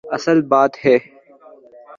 اصل بات ہے۔